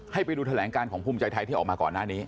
ไปดูแถลงการของภูมิใจไทยที่ออกมาก่อนหน้านี้